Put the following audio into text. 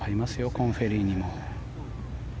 コーンフェリーにも。